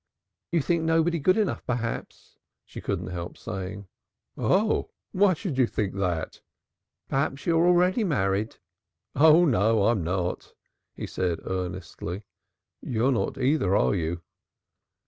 "You think nobody good enough, perhaps," she could not help saying. "Oh! Why should you think that?" "Perhaps you're married already." "Oh no, I'm not," he said earnestly. "You're not, either, are you?"